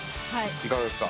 いかがですか